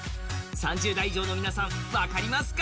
３０代以上の皆さん、分かりますか？